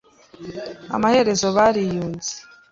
Amaherezo, bariyunze.